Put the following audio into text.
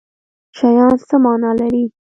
شیان څه معنی لري